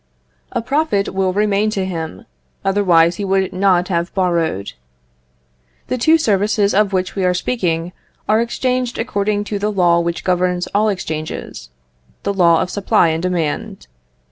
A profit will remain to him, otherwise he would not have borrowed. The two services of which we are speaking are exchanged according to the law which governs all exchanges, the law of supply and demand.